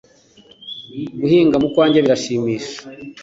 Guhinga mu kwanjye biranshimisha.